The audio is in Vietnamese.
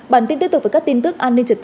bản tin tiếp tục với các tin tức